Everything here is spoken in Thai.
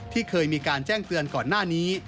ที่เคยมีการแจ้งเตือนก่อนหน้านี้